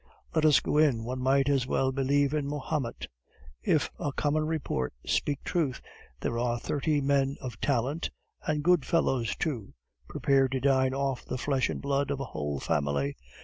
Let us go in, one might as well believe in Mahomet. If common report speak truth, here are thirty men of talent, and good fellows too, prepared to dine off the flesh and blood of a whole family